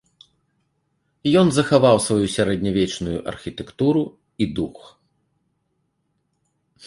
Ён захаваў сваю сярэднявечную архітэктуру і дух.